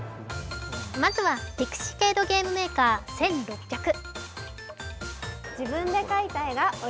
まずは「ピクシケードゲームメーカー：１６００」。